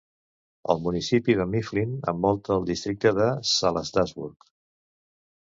El municipi de Mifflin envolta el districte de Salladasburg.